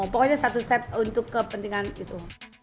pokoknya satu set untuk kepentingan itu